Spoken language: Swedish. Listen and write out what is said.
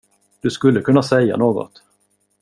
Du skulle kunna säga något.